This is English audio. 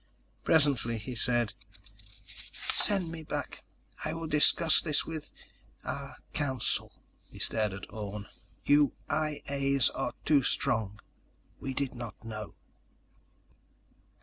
Presently, he said: "Send me back. I will discuss this with ... our council." He stared at Orne. "You I A's are too strong. We did not know."